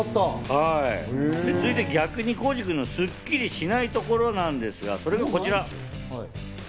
続いて、逆に浩次君のスッキリしないところなんですが、それがこちら。